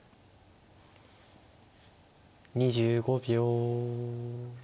２５秒。